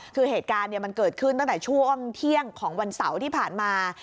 คือเหตุการณ์มันเกิดขึ้นตั้งแต่ช่วงเที่ยงของวันเสาร์ที่ผ่านมา